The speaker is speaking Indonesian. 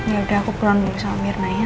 ya udah aku pulang dulu sama mirna ya